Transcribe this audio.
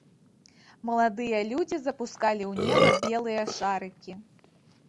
Маладыя людзі запускалі ў неба белыя шарыкі.